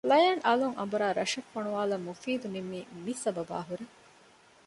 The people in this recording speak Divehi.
ލަޔާން އަލުން އަނބުރާ ރަށަށް ފޮނުވާލަން މުފީދު ނިންމީ މި ސަބަބާހުރޭ